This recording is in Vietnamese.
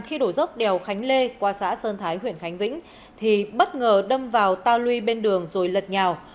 khi đổ dốc đèo khánh lê qua xã sơn thái huyện khánh vĩnh thì bất ngờ đâm vào ta lui bên đường rồi lật nhào